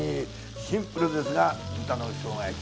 シンプルですが豚の生姜焼き。